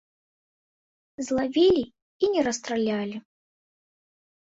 Злавілі і не расстралялі.